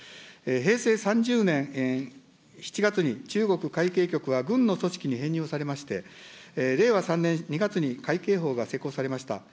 平成３０年７月に中国海警局は軍の組織に編入されまして、令和３年２月に海警法が施行されました。